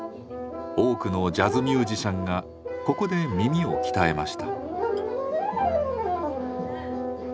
多くのジャズミュージシャンがここで耳を鍛えました。